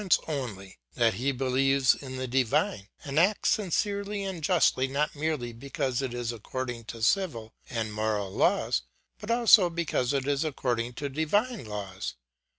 The spiritual man believes in the Divine, and he acts sincerely and justly, not merely because it is according to civil and moral laws, but also because it is according to divine laws.